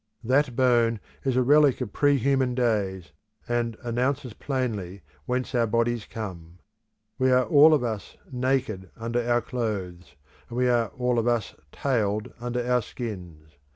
That bone is a relic of pre human days, and announces plainly whence our bodies come. We are all of us naked under our clothes, and we are of all us tailed under our skins.